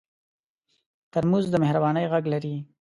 ترموز د مهربانۍ غږ لري.